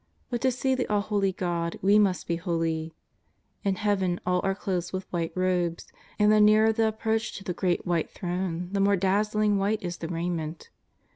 But to see the All Holy God we must be holy. In Heaven all are clothed with white robes, and the nearer the approach to the Great White Throne, the more dazzlingly white is the raiment.